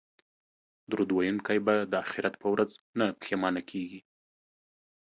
درود ویونکی به د اخرت په ورځ نه پښیمانه کیږي